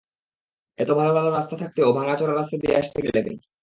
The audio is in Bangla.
এত ভালো-ভালো রাস্তা থাকতে ও এমন ভাঙাচোরা রাস্তা দিয়ে আসতে গেল কেন?